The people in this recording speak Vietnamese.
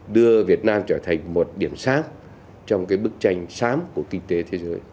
đưa việt nam trở thành một điểm sát trong bức tranh sám của kinh tế thế giới